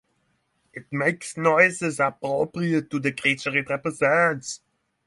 It makes noises as appropriate to the creature it represents.